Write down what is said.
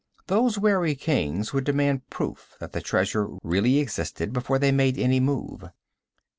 Those wary kings would demand proof that the treasure really existed before they made any move.